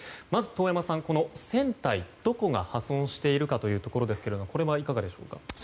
遠山さん、まず船体、どこが破損しているかというところですがこれはいかがでしょうか？